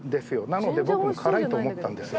なので僕も辛いと思ったんです